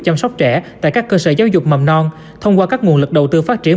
chăm sóc trẻ tại các cơ sở giáo dục mầm non thông qua các nguồn lực đầu tư phát triển